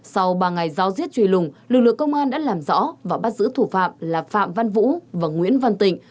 sau ba ngày giáo giết trùy lùng lực lượng công an đã làm rõ và bắt giữ thủ phạm là phạm văn vũ và nguyễn văn tịnh